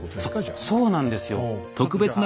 そうなんですよ。